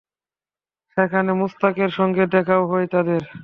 সেখানে মুশতাকের সঙ্গে দেখাও হয় তাঁদের।